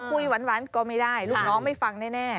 คุยหวานก็ไม่ได้ลูกน้องไม่ฟังแน่